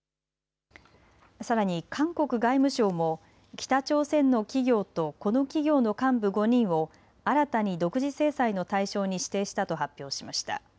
さらに韓国外務省も北朝鮮の企業とこの企業の幹部５人を新たに独自制裁の対象に指定したと発表しました。